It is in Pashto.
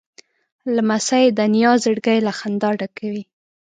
لمسی د نیا زړګی له خندا ډکوي.